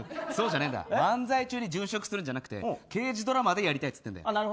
そうじゃねえんだ漫才中に殉職するんじゃなくて刑事ドラマでやりたいって言ってるの。